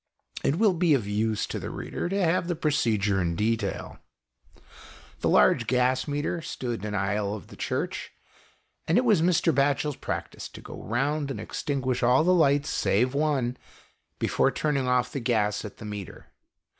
It will be of use to the reader to have the procedure in detail. The large gas meter stood in an aisle of the Church, and it was Mr. Batchel's practice to go round and extinguish all the lights save one, before turning off the gas at the meter.